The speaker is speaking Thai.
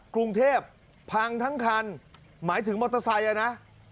กรุงเทพพังทั้งคันหมายถึงมอเตอร์ไซค์อ่ะนะ